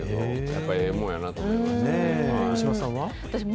やっぱり、ええもんやなと思いま石橋さんは？